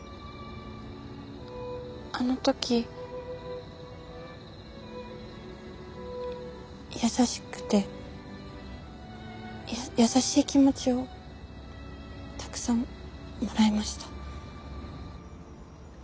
あの時優しくて優しい気持ちをたくさんもらいました。